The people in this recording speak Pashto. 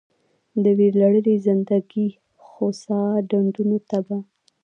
د ویرلړلې زندګي خوسا ډنډونو ته به